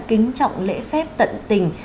kính trọng lễ phép tận tình